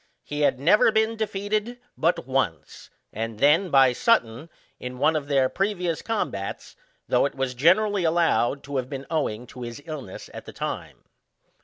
He had never been defeated but once, and then by Sutton, in one of their previous combats, though it was generally allowed to have been owing to his illnes at the time.